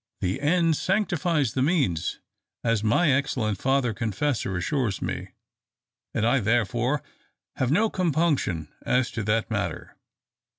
The end sanctifies the means, as my excellent father confessor assures me, and I therefore have no compunction as to that matter.